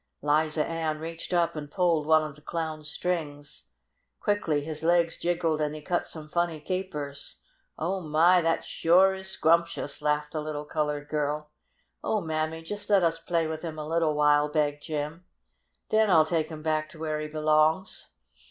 Liza Ann reached up and pulled one of the Clown's strings. Quickly his legs jiggled and he cut some funny capers. "Oh, my! Dat suah is scrumptious!" laughed the little colored girl. "Oh, Mammy, jest let us play with him a little while!" begged Jim. "Den I'll take him back to where he belongs."